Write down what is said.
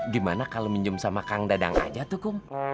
gimana kalau minjem sama kang dadang aja tuh kang